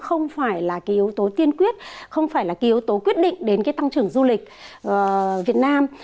không phải là yếu tố tiên quyết không phải là yếu tố quyết định đến tăng trưởng du lịch việt nam